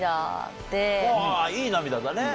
あいい涙だね。